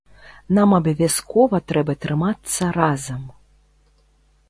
Нам абавязкова трэба трымацца разам.